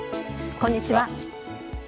こんにちは。